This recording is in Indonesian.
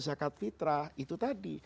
zakat fitrah itu tadi